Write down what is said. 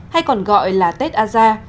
hay còn gọi là tết a gia